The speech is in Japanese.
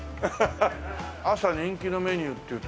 朝人気のメニューというと？